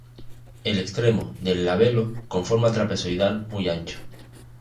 El extremo del labelo con forma trapezoidal muy ancho.